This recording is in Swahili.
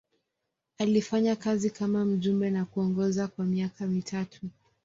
Alifanya kazi kama mjumbe na kuongoza kwa miaka mitatu.